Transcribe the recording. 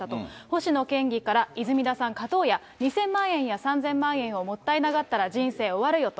星野県議から、泉田さん勝とうや、２０００万円や３０００万円をもったいながったら、人生終わるよと。